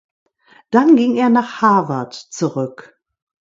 Dann ging er nach Harvard zurück.